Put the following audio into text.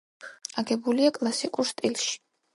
აგებულია კლასიკურ სტილში.